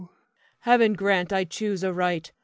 Heaven grant I choose aright!